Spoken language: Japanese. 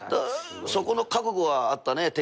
そこの覚悟はあったね。